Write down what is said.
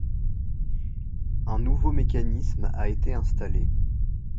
Un nouveau mécanisme a été installé.